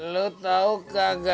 lo tau kagak